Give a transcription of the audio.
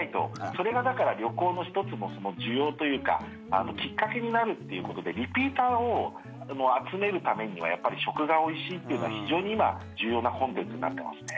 それがだから旅行の１つの需要というかきっかけになるっていうことでリピーターを集めるためにはやっぱり食がおいしいっていうのは非常に今、重要なコンテンツになってますね。